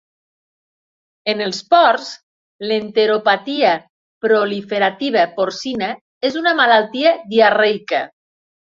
En els porcs, l'enteropatia proliferativa porcina és una malaltia diarreica.